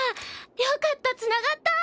よかったつながった。